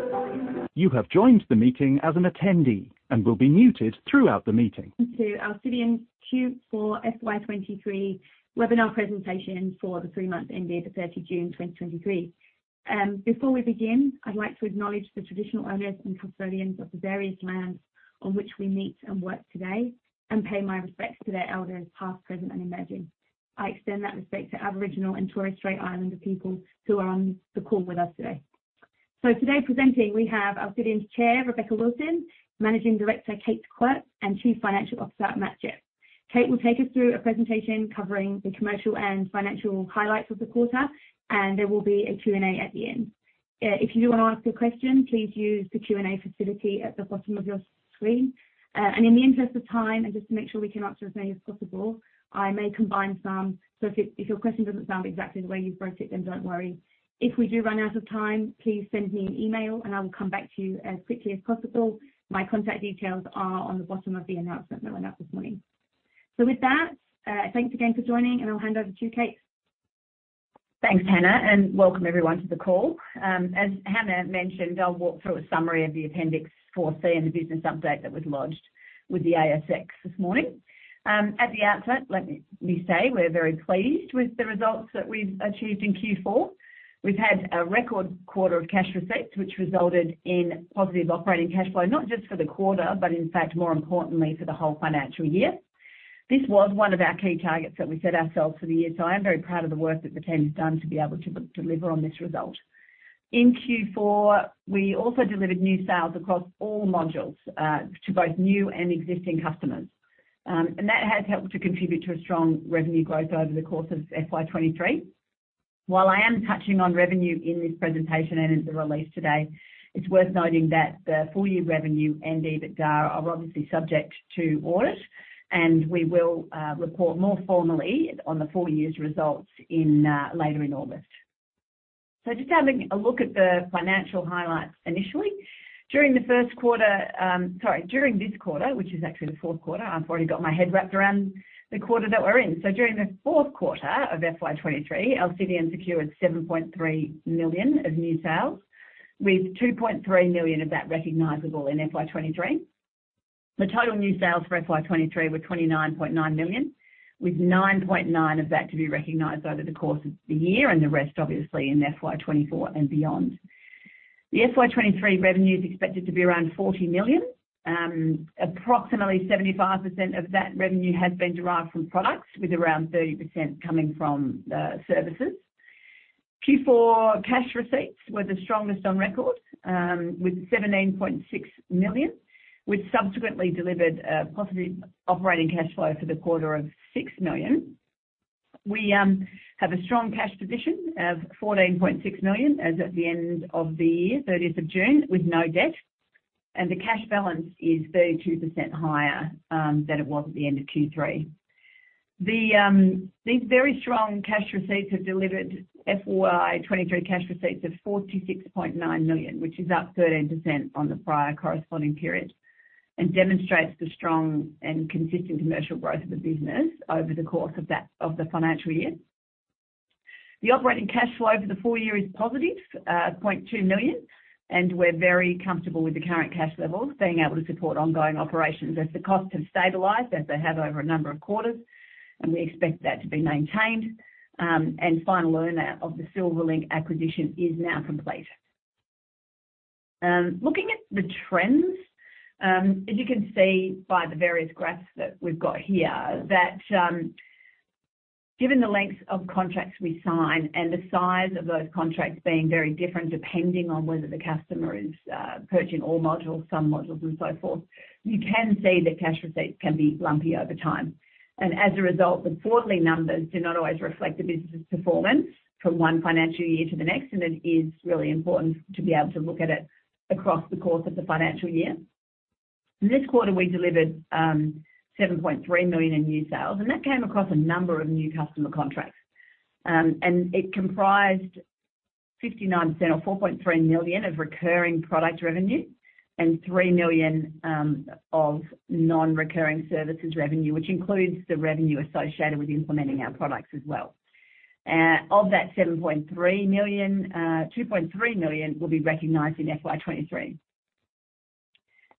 To our Alcidion Q4 FY23 webinar presentation for the three months ending June 30, 2023. Before we begin, I'd like to acknowledge the traditional owners and custodians of the various lands on which we meet and work today, and pay my respects to their elders, past, present, and emerging. I extend that respect to Aboriginal and Torres Strait Islander people who are on the call with us today. Today, presenting, we have Alcidion's Chair, Rebecca Wilson, Managing Director, Kate Quirke, and Chief Financial Officer, Matthew Gepp. Kate will take us through a presentation covering the commercial and financial highlights of the quarter, and there will be a Q&A at the end. If you do want to ask a question, please use the Q&A facility at the bottom of your screen. In the interest of time, and just to make sure we can answer as many as possible, I may combine some. If your, if your question doesn't sound exactly the way you've wrote it, then don't worry. If we do run out of time, please send me an email, and I will come back to you as quickly as possible. My contact details are on the bottom of the announcement that went out this morning. With that, thanks again for joining, and I'll hand over to Kate. Thanks, Hannah, welcome everyone to the call. As Hannah mentioned, I'll walk through a summary of the Appendix 4C and the business update that was lodged with the ASX this morning. At the outset, let me say, we're very pleased with the results that we've achieved in Q4. We've had a record quarter of cash receipts, which resulted in positive operating cash flow, not just for the quarter, but in fact, more importantly, for the whole financial year. This was one of our key targets that we set ourselves for the year, I am very proud of the work that the team has done to be able to deliver on this result. In Q4, we also delivered new sales across all modules to both new and existing customers. That has helped to contribute to a strong revenue growth over the course of FY23. While I am touching on revenue in this presentation and in the release today, it's worth noting that the full-year revenue and EBITDA are obviously subject to audit, we will report more formally on the full-year's results later in August. Just having a look at the financial highlights initially. During this quarter, which is actually the 4th quarter, I've already got my head wrapped around the quarter that we're in. During the 4th quarter of FY23, Alcidion secured 7.3 million of new sales, with 2.3 million of that recognizable in FY23. The total new sales for FY23 were 29.9 million, with 9.9 million of that to be recognized over the course of the year, the rest, obviously in FY24 and beyond. The FY23 revenue is expected to be around 40 million. Approximately 75% of that revenue has been derived from products, with around 30% coming from services. Q4 cash receipts were the strongest on record, with 17.6 million, which subsequently delivered a positive operating cash flow for the quarter of 6 million. We have a strong cash position of 14.6 million, as at the end of the year, 30th of June, with no debt, the cash balance is 32% higher than it was at the end of Q3. These very strong cash receipts have delivered FY23 cash receipts of 46.9 million, which is up 13% on the prior corresponding period, and demonstrates the strong and consistent commercial growth of the business over the course of that of the financial year. The operating cash flow for the full-year is positive 0.2 million, and we're very comfortable with the current cash levels being able to support ongoing operations as the costs have stabilized, as they have over a number of quarters, and we expect that to be maintained. Final earn-out of the Silverlink acquisition is now complete. Looking at the trends, as you can see by the various graphs that we've got here, that given the length of contracts we sign and the size of those contracts being very different, depending on whether the customer is purchasing all modules, some modules, and so forth, you can see that cash receipts can be lumpy over time. As a result, the quarterly numbers do not always reflect the business's performance from one financial year to the next, and it is really important to be able to look at it across the course of the financial year. This quarter, we delivered 7.3 million in new sales, and that came across a number of new customer contracts. It comprised 59% or $4.3 million of recurring product revenue and $3 million of non-recurring services revenue, which includes the revenue associated with implementing our products as well. Of that $7.3 million, $2.3 million will be recognized in FY23.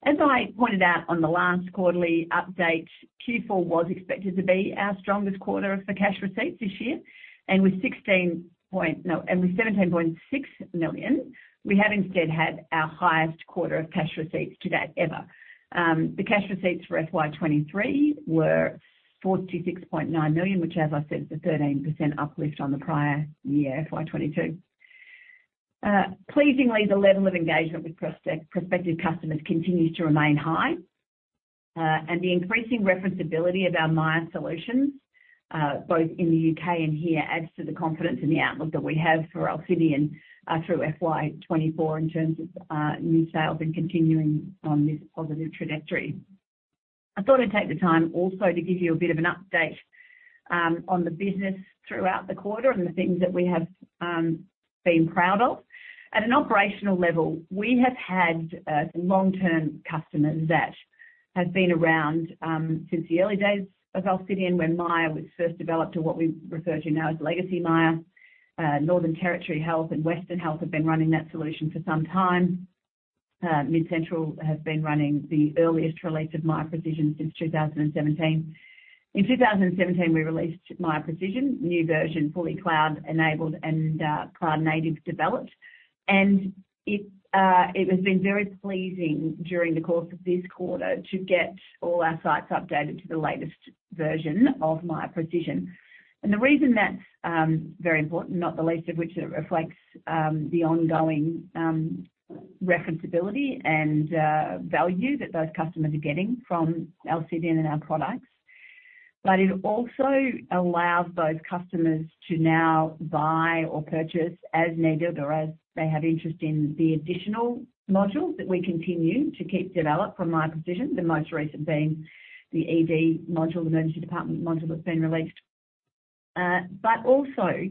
As I pointed out on the last quarterly update, Q4 was expected to be our strongest quarter for cash receipts this year, with $17.6 million, we have instead had our highest quarter of cash receipts to date ever. The cash receipts for FY23 were $46.9 million, which, as I said, is a 13% uplift on the prior year, FY22. Pleasingly, the level of engagement with prospective customers continues to remain high, the increasing reference ability of our Miya solutions, both in the U.K. and here, adds to the confidence and the outlook that we have for Alcidion Group through FY24 in terms of new sales and continuing on this positive trajectory. I thought I'd take the time also to give you a bit of an update on the business throughout the quarter and the things that we have been proud of. At an operational level, we have had long-term customers that has been around since the early days of Alcidion, when Miya was first developed to what we refer to now as legacy Miya. Northern Territory Health and Western Health have been running that solution for some time. MidCentral has been running the earliest release of Miya Precision since 2017. In 2017, we released Miya Precision, new version, fully cloud-enabled and cloud-native developed. It has been very pleasing during the course of this quarter to get all our sites updated to the latest version of Miya Precision. The reason that's very important, not the least of which it reflects the ongoing referenceability and value that those customers are getting from Alcidion and our products. It also allows those customers to now buy or purchase, as needed, or as they have interest in the additional modules that we continue to keep developed from Miya Precision. The most recent being the ED module, Emergency Department module, that's been released. Also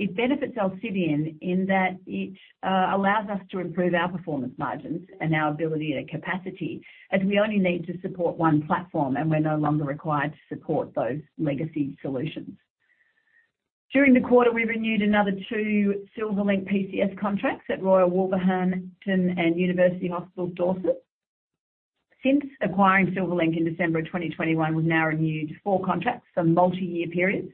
it benefits Alcidion in that it allows us to improve our performance margins and our ability and capacity as we only need to support one platform, and we're no longer required to support those legacy solutions. During the quarter, we renewed another 2 Silverlink PCS contracts at Royal Wolverhampton and University Hospital Dorset. Since acquiring Silverlink in December of 2021, we've now renewed 4 contracts for multi-year periods,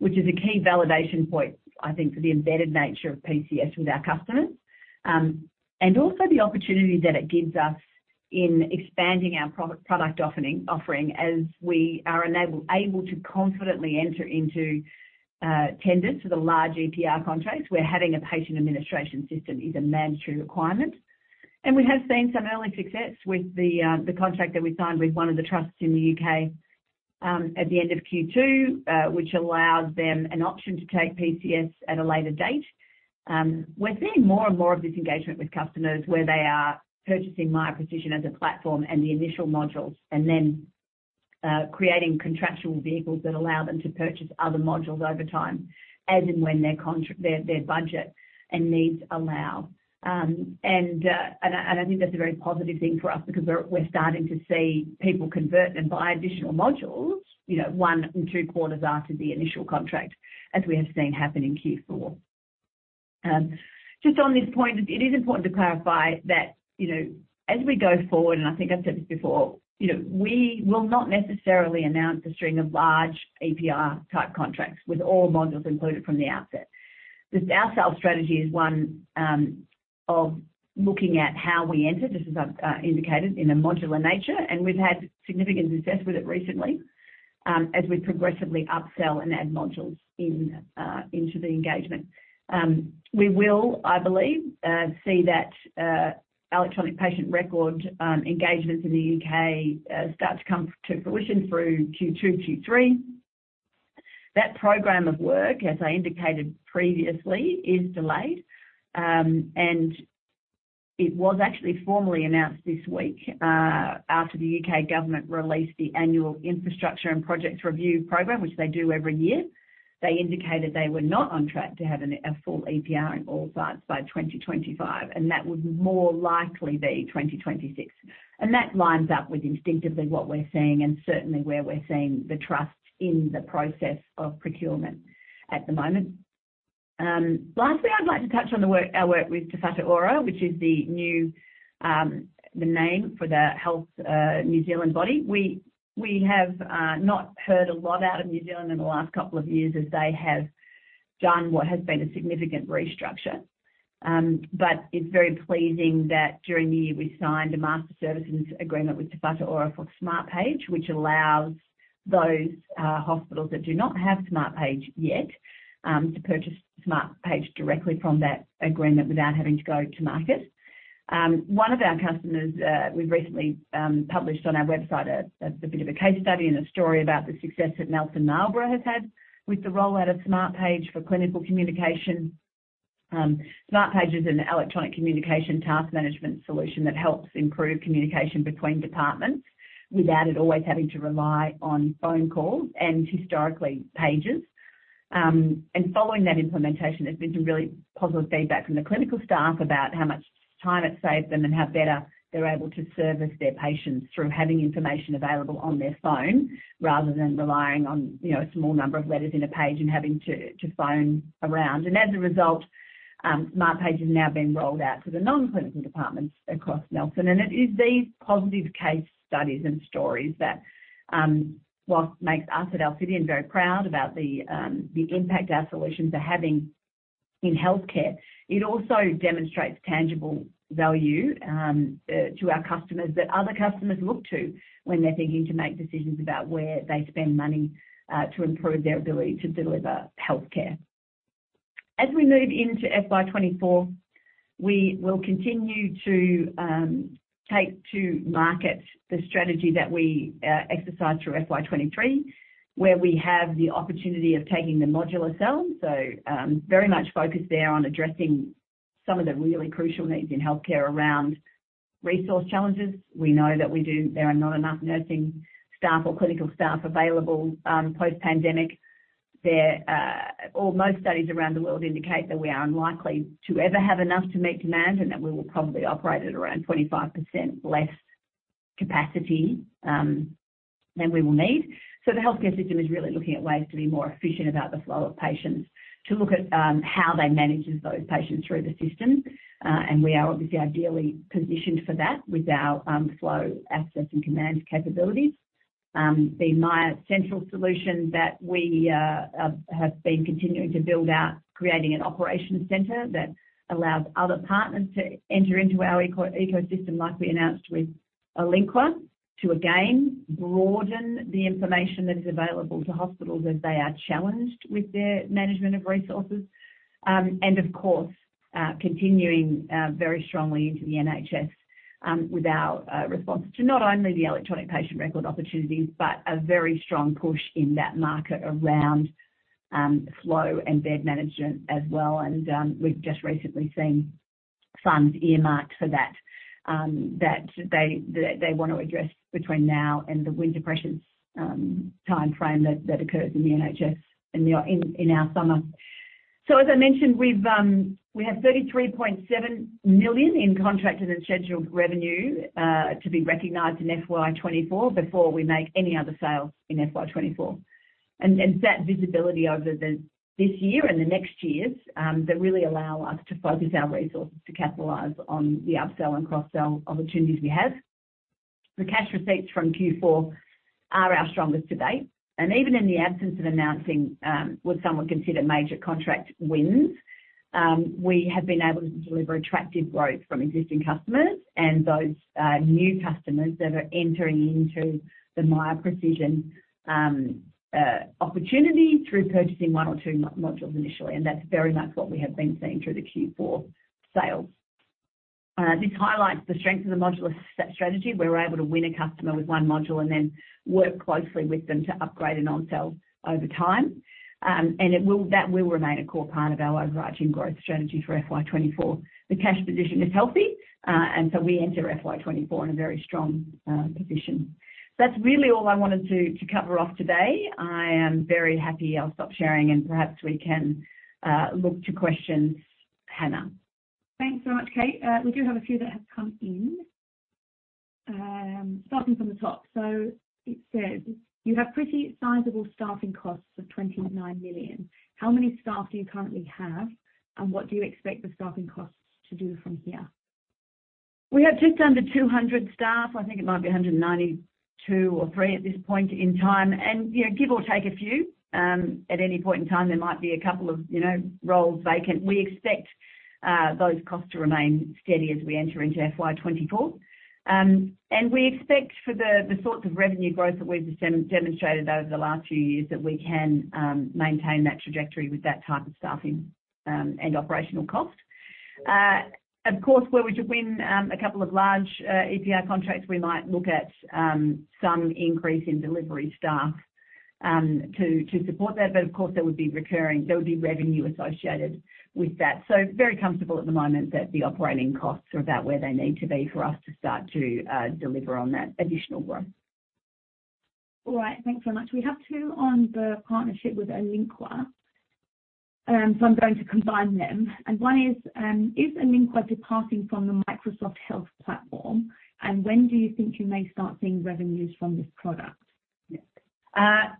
which is a key validation point, I think, for the embedded nature of PCS with our customers. Also the opportunity that it gives us in expanding our pro-product offering, as we are able to confidently enter into tenders for the large EPR contracts, where having a patient administration system is a mandatory requirement. We have seen some early success with the contract that we signed with one of the trusts in the UK, at the end of Q2, which allowed them an option to take PCS at a later date. We're seeing more and more of this engagement with customers, where they are purchasing Miya Precision as a platform and the initial modules, and then creating contractual vehicles that allow them to purchase other modules over time, as and when their budget and needs allow. I think that's a very positive thing for us because we're starting to see people convert and buy additional modules, you know, 1 and 2 quarters after the initial contract, as we have seen happen in Q4. Just on this point, it is important to clarify that, you know, as we go forward, and I think I've said this before, you know, we will not necessarily announce a string of large EPR-type contracts with all modules included from the outset. Our sales strategy is one of looking at how we enter, this as I've indicated, in a modular nature, and we've had significant success with it recently, as we progressively upsell and add modules in into the engagement. We will, I believe, see that electronic patient record engagements in the U.K. start to come to fruition through Q2, Q3. That program of work, as I indicated previously, is delayed, and it was actually formally announced this week after the U.K. government released the annual infrastructure and projects review program, which they do every year. They indicated they were not on track to have a full EPR in all sites by 2025, and that would more likely be 2026. That lines up with instinctively what we're seeing and certainly where we're seeing the trust in the process of procurement at the moment. Lastly, I'd like to touch on our work with Te Whatu Ora, which is the new the name for the Health New Zealand body. We have not heard a lot out of New Zealand in the last two years as they have done what has been a significant restructure. It's very pleasing that during the year we signed a master services agreement with Te Whatu Ora for Smartpage, which allows those hospitals that do not have Smartpage yet to purchase Smartpage directly from that agreement without having to go to market. One of our customers, we recently published on our website a bit of a case study and a story about the success that Nelson Marlborough has had with the rollout of Smartpage for clinical communication. Smartpage is an electronic communication task management solution that helps improve communication between departments, without it always having to rely on phone calls and historically, pages. Following that implementation, there's been some really positive feedback from the clinical staff about how much time it saves them and how better they're able to service their patients through having information available on their phone, rather than relying on, you know, a small number of letters in a page and having to phone around. As a result, Smartpage is now being rolled out to the non-clinical departments across Nelson. It is these positive case studies and stories that, whilst makes us at Alcidion very proud about the impact our solutions are having in healthcare, it also demonstrates tangible value to our customers, that other customers look to when they're beginning to make decisions about where they spend money to improve their ability to deliver healthcare. As we move into FY24, we will continue to take to market the strategy that we exercised through FY23, where we have the opportunity of taking the modular sell. Very much focused there on addressing some of the really crucial needs in healthcare around resource challenges. We know that there are not enough nursing staff or clinical staff available post-pandemic. Most studies around the world indicate that we are unlikely to ever have enough to meet demand and that we will probably operate at around 25% less capacity than we will need. The healthcare system is really looking at ways to be more efficient about the flow of patients, to look at how they manage those patients through the system. We are obviously ideally positioned for that with our flow, access, and command capabilities. The Miya Central solution that we have been continuing to build out, creating an operation center that allows other partners to enter into our ecosystem, like we announced with Olinqua, to again broaden the information that is available to hospitals as they are challenged with their management of resources. Continuing very strongly into the NHS with our response to not only the electronic patient record opportunities, but a very strong push in that market around flow and bed management as well. We've just recently seen funds earmarked for that they want to address between now and the winter pressure timeframe that occurs in the NHS in our summer. As I mentioned, we've, we have 33.7 million in contracted and scheduled revenue to be recognized in FY24 before we make any other sales in FY24. That visibility over the, this year and the next years, that really allow us to focus our resources to capitalize on the upsell and cross-sell opportunities we have. The cash receipts from Q4 are our strongest to date, even in the absence of announcing what some would consider major contract wins, we have been able to deliver attractive growth from existing customers and those new customers that are entering into the Miya Precision opportunity through purchasing one or two modules initially, that's very much what we have been seeing through the Q4 sales. This highlights the strength of the modular set strategy, where we're able to win a customer with one module and then work closely with them to upgrade and upsell over time. That will remain a core part of our overarching growth strategy for FY24. The cash position is healthy, and so we enter FY24 in a very strong position. That's really all I wanted to cover off today. I am very happy. I'll stop sharing, and perhaps we can look to questions, Hannah. Thanks so much, Kate. We do have a few that have come in. Starting from the top. It says: You have pretty sizable staffing costs of 29 million. How many staff do you currently have? What do you expect the staffing costs to do from here? We have just under 200 staff. I think it might be 192 or three at this point in time, and, you know, give or take a few. At any point in time, there might be two, you know, roles vacant. We expect those costs to remain steady as we enter into FY24. We expect for the sorts of revenue growth that we've demonstrated over the last few years, that we can maintain that trajectory with that type of staffing and operational cost. Of course, were we to win two large EPR contracts, we might look at some increase in delivery staff to support that. Of course, there would be revenue associated with that. Very comfortable at the moment that the operating costs are about where they need to be for us to start to deliver on that additional growth. All right, thanks so much. We have two on the partnership with Olinqua, so I'm going to combine them. One is: Is Olinqua departing from the Microsoft Health platform? When do you think you may start seeing revenues from this product?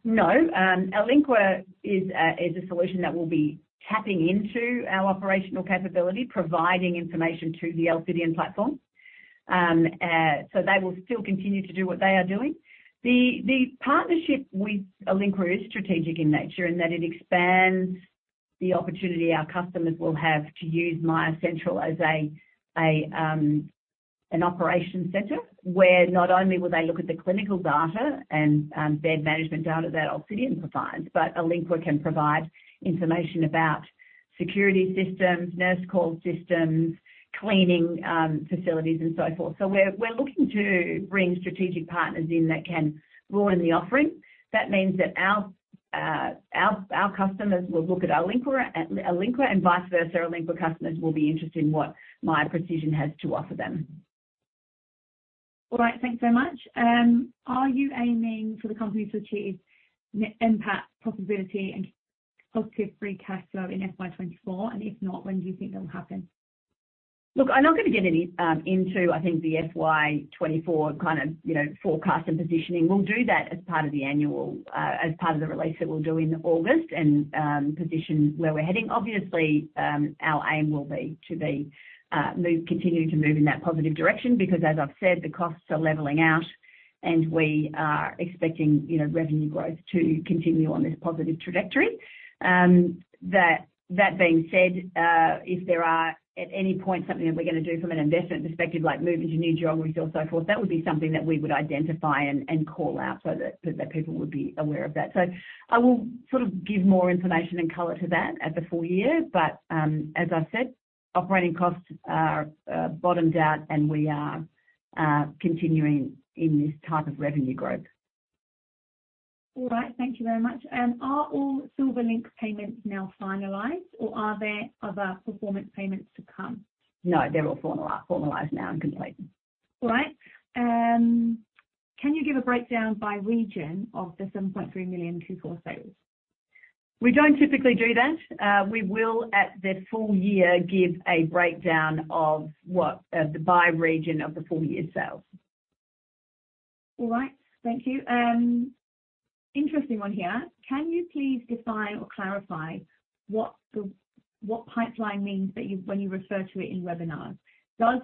No, Olinqua is a solution that will be tapping into our operational capability, providing information to the Alcidion platform. They will still continue to do what they are doing. The partnership with Olinqua is strategic in nature, in that it expands the opportunity our customers will have to use Miya Central as an operation center. Not only will they look at the clinical data and bed management data that Alcidion provides, but Olinqua can provide information about security systems, nurse call systems, cleaning, facilities, and so forth. We're looking to bring strategic partners in that can broaden the offering. That means that our customers will look at Olinqua, and vice versa, Olinqua customers will be interested in what Miya Precision has to offer them. All right, thanks so much. Are you aiming for the company to ac`hieve NPAT profitability and positive free cash flow in FY24? If not, when do you think that will happen? Look, I'm not going to get any into, I think, the FY24 kind of, you know, forecast and positioning. We'll do that as part of the annual, as part of the release that we'll do in August and position where we're heading. Obviously, our aim will be to be continuing to move in that positive direction, because as I've said, the costs are leveling out, and we are expecting, you know, revenue growth to continue on this positive trajectory. That being said, if there are at any point, something that we're gonna do from an investment perspective, like move into new geographies or so forth, that would be something that we would identify and call out so that people would be aware of that. I will sort of give more information and color to that at the full-year. As I said, operating costs are bottomed out, and we are continuing in this type of revenue growth. All right. Thank you very much. Are all Silverlink payments now finalized, or are there other performance payments to come? No, they're all formal, formalized now and complete. All right. Can you give a breakdown by region of the 7.3 million Q4 sales? We don't typically do that. We will, at the full-year, give a breakdown of what, the by region of the full-year sales. All right. Thank you. Interesting one here. Can you please define or clarify what pipeline means that you, when you refer to it in webinars? Does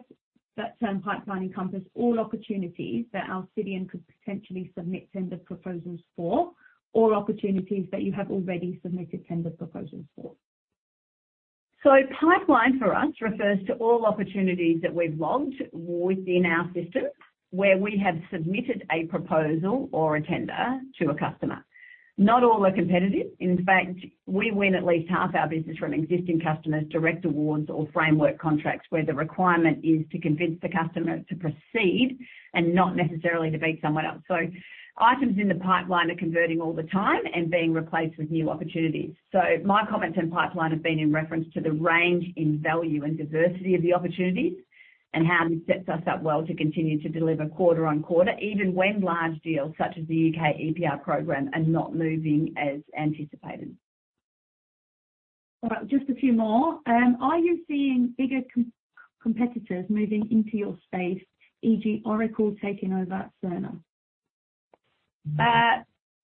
that term pipeline encompass all opportunities that Alcidion could potentially submit tender proposals for, or opportunities that you have already submitted tender proposals for? Pipeline for us refers to all opportunities that we've logged within our system, where we have submitted a proposal or a tender to a customer. Not all are competitive. In fact, we win at least half our business from existing customers, direct awards, or framework contracts, where the requirement is to convince the customer to proceed and not necessarily to beat someone else. Items in the pipeline are converting all the time and being replaced with new opportunities. My comments in pipeline have been in reference to the range in value and diversity of the opportunities and how this sets us up well to continue to deliver quarter on quarter, even when large deals such as the U.K. EPR program are not moving as anticipated. All right, Just a few more. Are you seeing bigger competitors moving into your space, eg, Oracle taking over Cerner?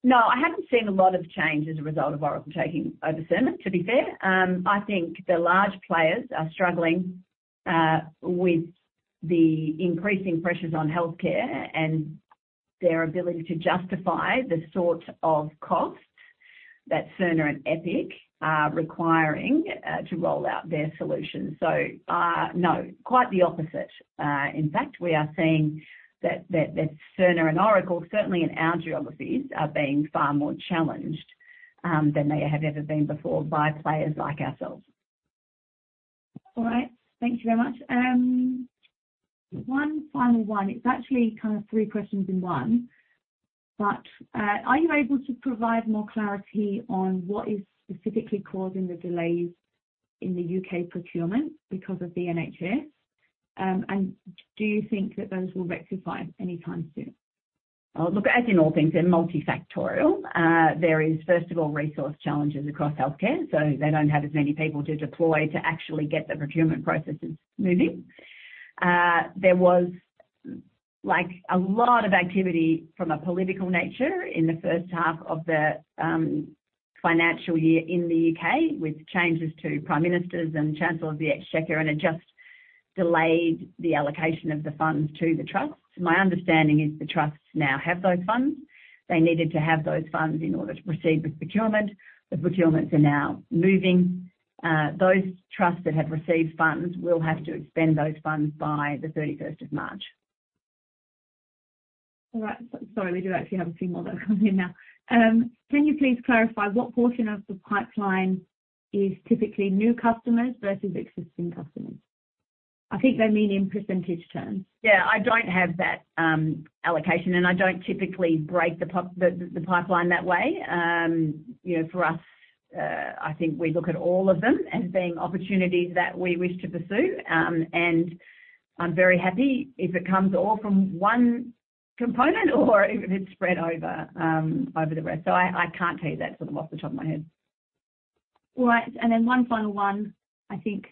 No, I haven't seen a lot of change as a result of Oracle taking over Cerner, to be fair. I think the large players are struggling with the increasing pressures on healthcare and their ability to justify the sort of cost that Cerner and Epic are requiring to roll out their solutions. No, quite the opposite. In fact, we are seeing that Cerner and Oracle, certainly in our geographies, are being far more challenged than they have ever been before by players like ourselves. All right. Thank you very much. one final one. It's actually kind of three questions in one. Are you able to provide more clarity on what is specifically causing the delays in the UK procurement because of the NHS? Do you think that those will rectify anytime soon? Well, Look, as in all things, they're multifactorial. There is, first of all, resource challenges across healthcare, so they don't have as many people to deploy to actually get the procurement processes moving. There was like a lot of activity from a political nature in the first half of the financial year in the U.K., with changes to prime ministers and Chancellor of the Exchequer. It just delayed the allocation of the funds to the trusts. My understanding is the trusts now have those funds. They needed to have those funds in order to proceed with procurement. The procurements are now moving. Those trusts that have received funds will have to expend those funds by the 31st of March. All right. sorry, we do actually have a few more that come in now. can you please clarify what portion of the pipeline is typically new customers versus existing customers? I think they mean in percentage terms. Yeah, I don't have that allocation. I don't typically break the pipeline that way. You know, for us, I think we look at all of them as being opportunities that we wish to pursue. I'm very happy if it comes all from one component or if it's spread over over the rest. I can't tell you that sort of off the top of my head. All right, One final one, I think.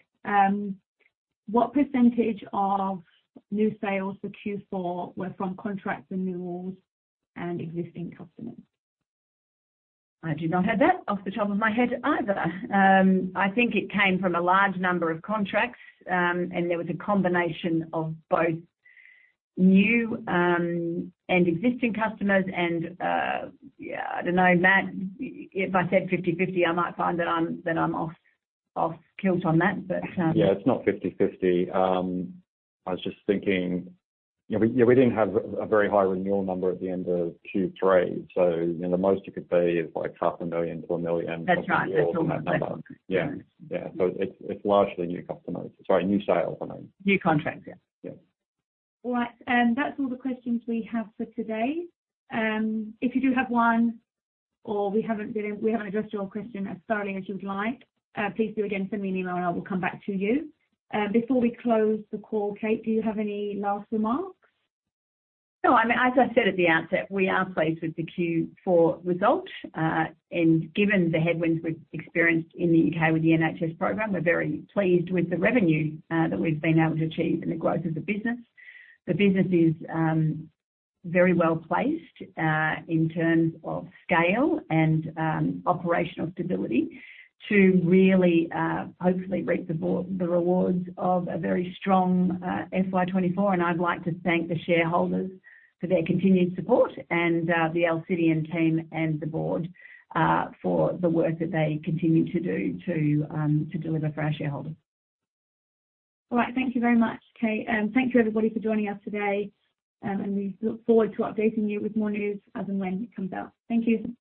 What % of new sales for Q4 were from contract renewals and existing customers? I do not have that off the top of my head either. I think it came from a large number of contracts, and there was a combination of both new and existing customers. Yeah, I don't know, Matt, if I said 50/50, I might find that I'm off kilter on that, but. Yeah, It's not 50/50. I was just thinking, you know, we, yeah, we didn't have a very high renewal number at the end of Q3, so, you know, the most it could be is like half a million AUD to a million AUD. That's right. renewal number. Yeah, yeah. It's largely new customers. Sorry, new sales, I mean. New contracts, yeah. Yeah. All right. That's all the questions we have for today. If you do have one or we haven't addressed your question as thoroughly as you'd like, please do again, send me an email, and I will come back to you. Before we close the call, Kate, do you have any last remarks? No, I mean, as I said at the outset, we are pleased with the Q4 results. Given the headwinds we've experienced in the UK with the NHS program, we're very pleased with the revenue that we've been able to achieve and the growth of the business. The business is very well placed in terms of scale and operational stability to really hopefully reap the rewards of a very strong FY24. I'd like to thank the shareholders for their continued support and the Alcidion team and the board for the work that they continue to do to deliver for our shareholders. All right. Thank you very much, Kate. Thank you, everybody, for joining us today. We look forward to updating you with more news as and when it comes out. Thank you.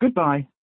Thank you. Thanks. Goodbye!